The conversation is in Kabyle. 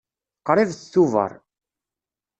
Qrib d Tubeṛ.